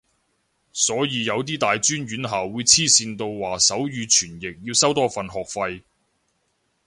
所以有啲大專院校會黐線到話手語傳譯要收多份學費